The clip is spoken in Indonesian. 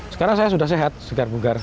sekarang saya sudah sehat segar bugar